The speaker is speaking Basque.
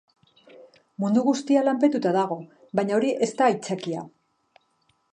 Mundu guztia lanpetuta dago, baina hori ez da aitzakia.